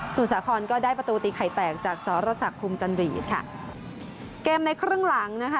สาครก็ได้ประตูตีไข่แตกจากสรษักคุมจันรีดค่ะเกมในครึ่งหลังนะคะ